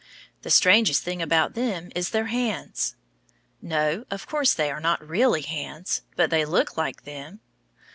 The strangest thing about them is their hands. No, of course they are not really hands, but they look like them.